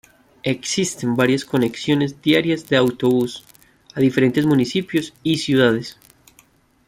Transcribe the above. Existen varias conexiones diarias de autobús a diferentes municipios y ciudades.